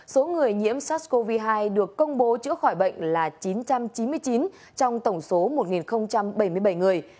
số người nhiễm sars cov hai được công bố chữa khỏi bệnh là chín trăm chín mươi chín trong tổng số một bảy mươi bảy người